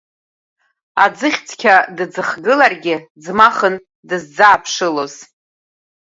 Аӡыхь цқьа дыӡхгыларгьы ӡмахын дызӡааԥшылоз.